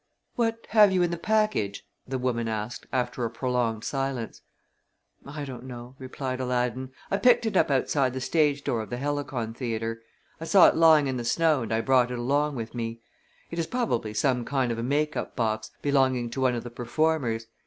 "What have you in the package?" the woman asked, after a prolonged silence. "I don't know," replied Aladdin. "I picked it up outside the stage door of the Helicon Theatre. I saw it lying in the snow and I brought it along with me. It is probably some kind of a make up box belonging to one of the performers.